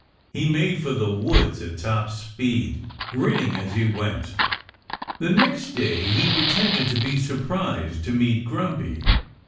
He made for the woods at top speed, grinning as he went. The next day he pretended to be surprised to meet Grumpy.